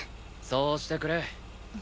そうしてくれ。